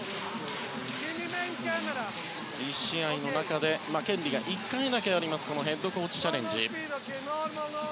１試合の中で権利が１回だけあるヘッドコーチチャレンジ。